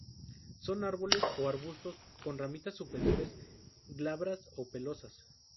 Son árboles o arbustos; con ramitas superiores glabras o pelosas.